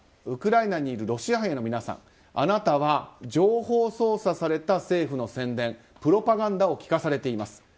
ウクライナにいるロシア兵の皆さんあなたは情報操作された政府の宣伝プロパガンダを聞かされています。